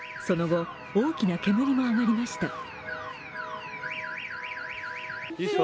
その後、大きな煙も上がりました。